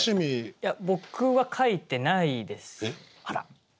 いや僕は書いてないですね。